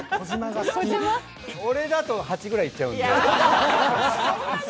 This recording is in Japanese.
俺だと８ぐらいいっちゃうんで。